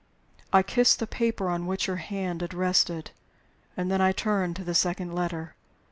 I kissed the paper on which her hand had rested, and then I turned to the second letter.